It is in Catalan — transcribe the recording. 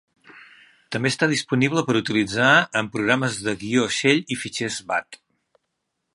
També està disponible per utilitzar amb programes de guió shell i fitxers BAT.